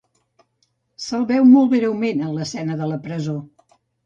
Se'l veu molt breument en l'escena de la presó.